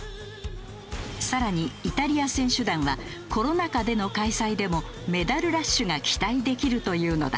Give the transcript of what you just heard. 更にイタリア選手団はコロナ禍での開催でもメダルラッシュが期待できるというのだ。